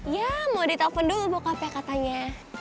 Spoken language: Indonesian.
ya mau ditelepon dulu bocahnya katanya